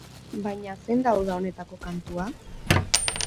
Baina zein da uda honetako kantua?